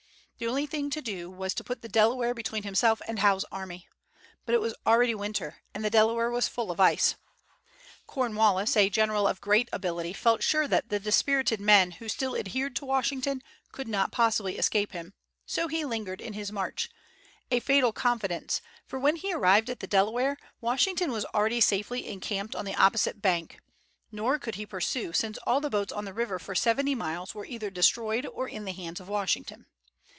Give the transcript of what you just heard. The only thing to do was to put the Delaware between himself and Howe's army. But it was already winter, and the Delaware was full of ice. Cornwallis, a general of great ability, felt sure that the dispirited men who still adhered to Washington could not possibly escape him; so he lingered in his march, a fatal confidence, for, when he arrived at the Delaware, Washington was already safely encamped on the opposite bank; nor could he pursue, since all the boats on the river for seventy miles were either destroyed or in the hands of Washington.